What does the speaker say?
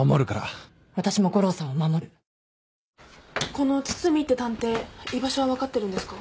この堤って探偵居場所は分かってるんですか？